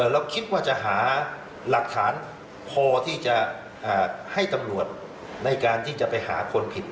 เราคิดว่าจะหาหลักฐานพอที่จะให้ตำรวจในการที่จะไปหาคนผิด